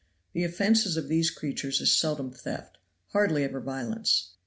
The offenses of these creatures is seldom theft, hardly ever violence.